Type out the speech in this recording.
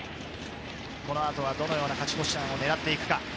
この後はどのような勝ち越し弾を狙っていくか。